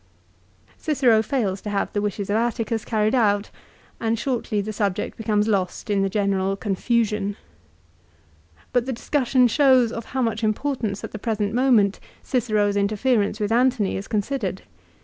Cicero fails to have the wishes of Atticus carried out, and shortly the subject becomes lost in the general confusion. But the discussion shows of how much importance at the present moment Cicero's interference with Antony is considered.